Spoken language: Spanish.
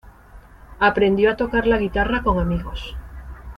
Aprendió a tocar la guitarra con amigos.